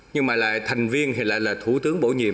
nhưng mà là thành viên hay là thủ tướng bổ nhiệm